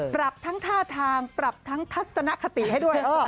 ปรับทั้งท่าทางปรับทั้งทัศนคติให้ด้วย